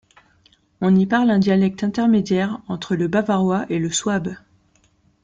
On y parle un dialecte intermédiaire entre le bavarois et le souabe.